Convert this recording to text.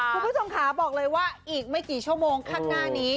คุณผู้ชมขาบอกเลยว่าอีกไม่กี่ชั่วโมงข้างหน้านี้